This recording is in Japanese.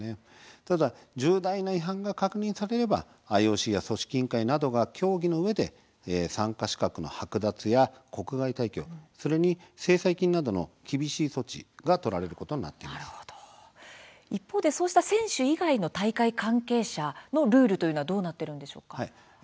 ただ、重大な違反が確認されればＩＯＣや組織委員会などは協議のうえで参加資格のはく奪や国外退去、それに制裁金などの厳しい措置が取られることに選手以外の大会関係者のルールはどうなっているでしょうか。